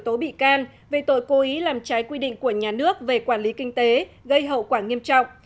tố bị can về tội cố ý làm trái quy định của nhà nước về quản lý kinh tế gây hậu quả nghiêm trọng